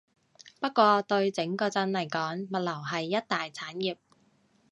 不過對整個鎮嚟講，物流係一大產業